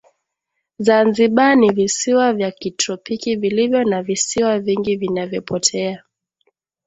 Zanzibar ni visiwa vya kitropiki vilivyo na visiwa vingi vinavyopotea